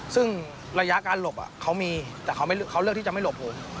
ซึ่งระยะการหลบเขามีแต่เขาเลือกที่จะไม่หลบผม